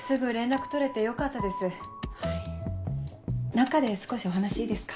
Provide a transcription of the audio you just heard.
中で少しお話いいですか？